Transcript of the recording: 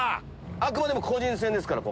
あくまでも個人戦ですから。